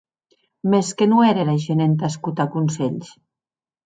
Mès que non ère era gent entà escotar conselhs!